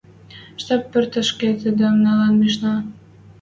Штаб пӧртӹшкӹ тидӹм нӓлӹн мишнӓ.